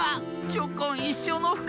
チョコンいっしょうのふかく！